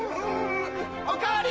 お代わり！